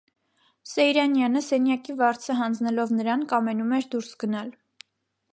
Սեյրանյանը, սենյակի վարձը հանձնելով նրան, կամենում էր դուրս գնալ: